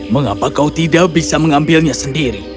mengapa kau tidak bisa mengambilnya sendiri